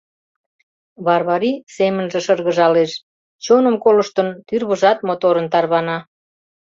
Варвари семынже шыргыжалеш, чоным колыштын, тӱрвыжат моторын тарвана.